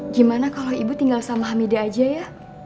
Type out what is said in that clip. gimana kalau ibu tinggal sama hamida aja ya